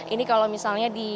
ini kalau misalnya di